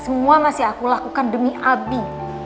semua masih aku lakukan demi abi